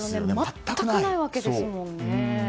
全くないわけですもんね。